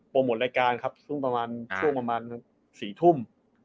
โปรโมทรายการครับช่วงประมาณ๔ทุ่ม